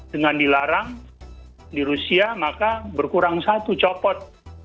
dengan dilarang di rusia maka berkurang satu copot